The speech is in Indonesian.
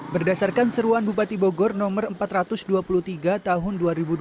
berdasarkan seruan bupati bogor nomor empat ratus dua puluh tiga tahun dua ribu dua puluh